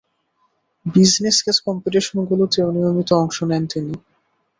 Business case কম্পিটিশনগুলোতেও নিয়মিত অংশ নেন তিনি।